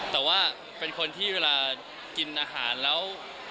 แต่ว่าเป็นคนที่เวลากินอาหารแล้ว